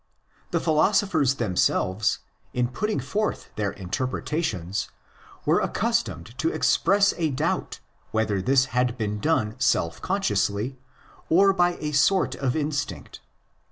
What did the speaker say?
The philosophers themselves, in putting forth their interpretations, were accustomed to express 8 doubt whether this had been done self consciously or by a sort of instinct.